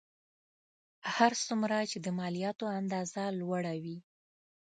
هر څومره چې د مالیاتو اندازه لوړه وي